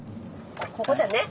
ここだね。